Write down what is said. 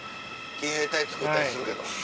奇兵隊つくったりするけど。